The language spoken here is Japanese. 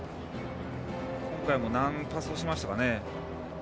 今回も何パスしましたかね。